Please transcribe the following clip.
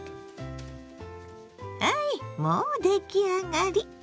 はいもう出来上がり！